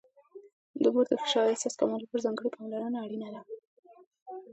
د مور د فشار احساس کمولو لپاره ځانګړې پاملرنه اړینه ده.